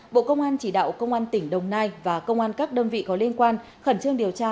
bộ công an chỉ đạo công an tỉnh đồng nai và công an các đơn vị có liên quan khẩn trương điều tra